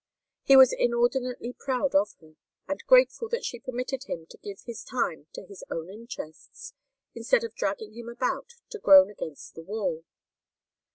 He was inordinately proud of her, and grateful that she permitted him to give his time to his own interests, instead of dragging him about to groan against the wall.